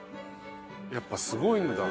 やっぱすごいんだ。